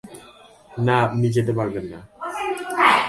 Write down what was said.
না, আপনি যেতে পারবেন না।